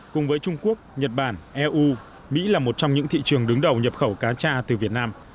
cùng với trung quốc nhật bản eu mỹ là một trong những thị trường đứng đầu nhập khẩu cá cha từ việt nam